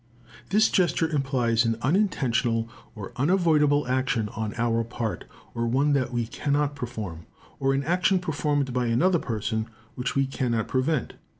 This gesture implies an unintentional or unavoidable action on our own part, or one that we cannot perform; or an action performed by another person which we cannot prevent.